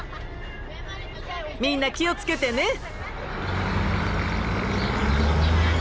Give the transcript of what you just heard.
みんな気を付けてね。